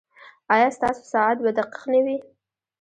ایا ستاسو ساعت به دقیق نه وي؟